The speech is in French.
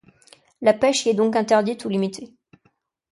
La pêche y est donc interdite ou limitée.